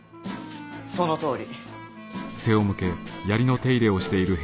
そのとおり。